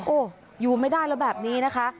โอ้โหอยู่ไม่ได้แล้วแบบนี้นะคะ